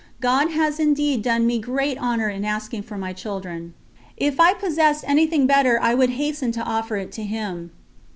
God has indeed done me great honour in asking for my children. If I possessed anything better I would hasten to offer it to Him."